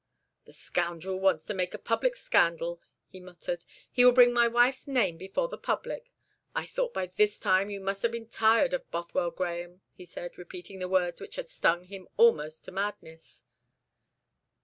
"The scoundrel wants to make a public scandal," he muttered; "he will bring my wife's name before the public. 'I thought by this time you must have been tired of Bothwell Grahame,'" he said, repeating the words which had stung him almost to madness.